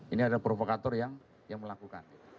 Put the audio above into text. ini ada provokator yang melakukan